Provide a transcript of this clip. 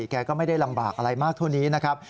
แกก็ไม่ได้ลำบากอะไรมากเท่านี้นะครับ